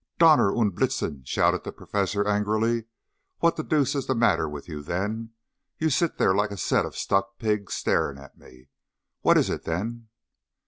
"Donner und Blitzen!" shouted the Professor angrily. "What the deuce is the matter with you, then? You sit there like a set of stuck pigs staring at me. What is it, then?"